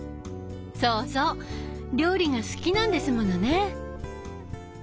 そうそう料理が好きなんですものね。